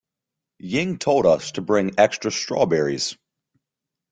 Ying told us to bring extra strawberries.